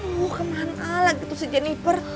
oh kemana lagi tuh si jennifer